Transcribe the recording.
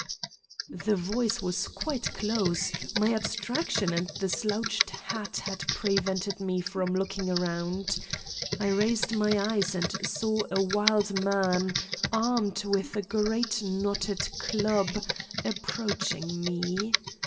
The voice was quite close; my abstraction and the slouched hat had prevented me from looking round. I raised my eyes and saw a wild man, armed with a great knotted club, approaching me.